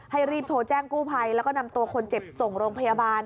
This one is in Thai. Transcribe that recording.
รีบโทรแจ้งกู้ภัยแล้วก็นำตัวคนเจ็บส่งโรงพยาบาล